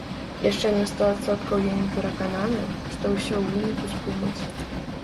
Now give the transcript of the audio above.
Яшчэ на сто адсоткаў я не перакананы, што ўсё ў выніку спыняць.